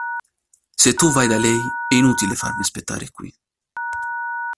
Se tu vai da lei è inutile farmi aspettare qui.